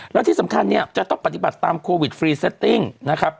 แล้วที่สำคัญเนี่ยจะต้องปฏิบัติตามโควิดฟรีเซตติ้งนะครับ